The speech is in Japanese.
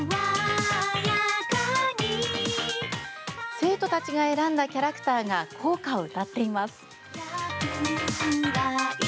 生徒たちが選んだキャラクターが校歌を歌っています。